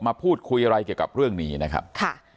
มาพูดคุยอะไรเกี่ยวกับเรื่องนี้นะครับค่ะ